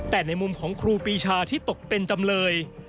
แต่ในมุมของครูปีชาที่ตกเป็นจำเลย